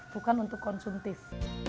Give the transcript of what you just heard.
bukan untuk konsumtif